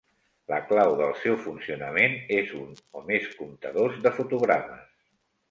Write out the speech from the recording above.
La clau del seu funcionament és un o més comptadors de fotogrames.